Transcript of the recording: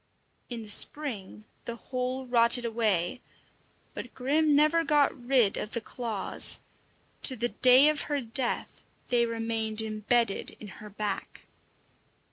In the spring the whole rotted away, but Grim never got rid of the claws. To the day of her death they remained embedded in her back.